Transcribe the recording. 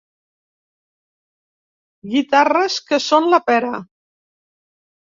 Guitarres que són la pera.